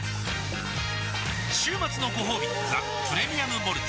週末のごほうび「ザ・プレミアム・モルツ」